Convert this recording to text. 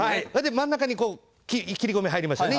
真ん中に切り込み入りましたね。